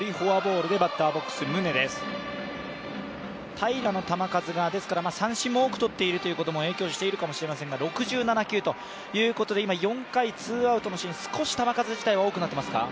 平良の球数が、三振も多くとっていることも影響しているかもしれませんが６７球ということで今、４回ツーアウトのシーン、少し球数自体は多くなっていますか？